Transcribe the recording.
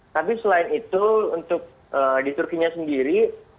tapi selain itu untuk di turkinya sendiri